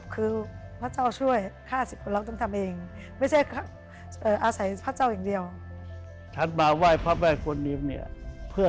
ข้าวสิบคือ